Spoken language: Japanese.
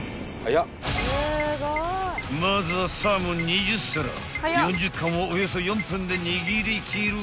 ［まずはサーモン２０皿４０貫をおよそ４分で握りきる］